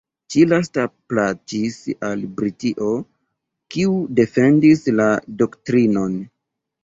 Ĉi-lasta plaĉis al Britio, kiu defendis la doktrinon.